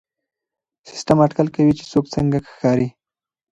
سیسټم اټکل کوي چې څوک څنګه ښکاري.